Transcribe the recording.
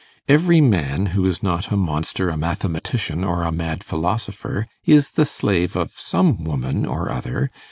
Every man who is not a monster, a mathematician, or a mad philosopher, is the slave of some woman or other.